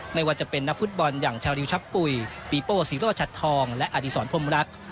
ไม่ว่าจะเป็นนักฟุตบอลอย่างชาริวชับปุ๋ยปีโป้สีโรชัดทองและอดีศรพรมรัก